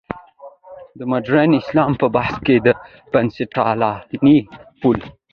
د مډرن اسلام په بحث کې د بنسټپالنې پل.